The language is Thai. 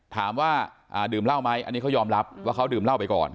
ถามว่าดื่มเหล้าไหมอันนี้เขายอมรับว่าเขาดื่มเหล้าไปก่อน